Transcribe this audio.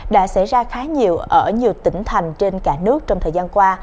đã xảy ra khá nhiều ở nhiều tỉnh thành trên cả nước trong thời gian qua